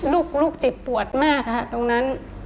ลูกเจ็บปวดมากค่ะตรงนั้น